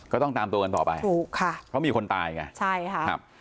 ก็ต้องตามตัวกันต่อไปเขามีคนตายไงใช่ค่ะ